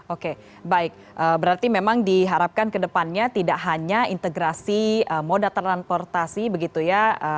oke baik berarti memang diharapkan kedepannya tidak hanya integrasi moda transportasi begitu ya